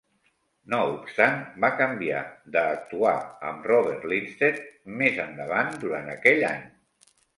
No obstant, va canviar de actuar amb Robert Lindstedt més endavant durant aquell any.